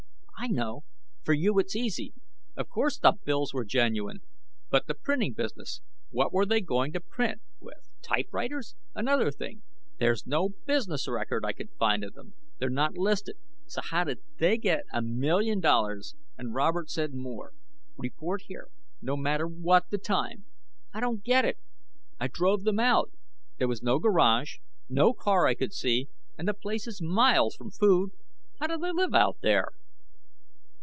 I know. For you it's easy. Of course the bills were genuine. But the printing business what were they going to print with, typewriters? Another thing. There's no business record I could find on them; they're not listed. So how did they get a million dollars, and Robert said more. 'Report here, no matter what the time.' I don't get it. I drove them out. There was no garage, no car I could see, and the place is miles from food. How do they live out there?"